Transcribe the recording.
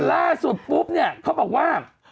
ล่าสุดปุ๊บเนี่ยเขาบอกว่า